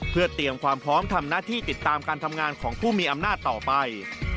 เพื่อเตรียมความพร้อมทำหน้าที่ติดตามการทำงานของผู้มีอำนาจต่อไป